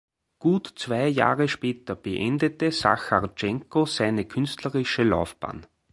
Gut zwei Jahre später beendete Sachartschenko seine künstlerische Laufbahn.